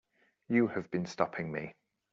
You have been stopping me.